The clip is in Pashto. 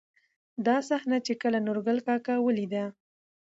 دا صحنه، چې کله نورګل کاکا ولېده.